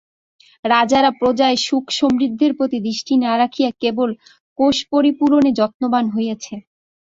রাজারা প্রজার সুখ সমৃদ্ধির প্রতি দৃষ্টি না রাখিয়া কেবল কোষপরিপূরণে যত্নবান হইয়াছেন।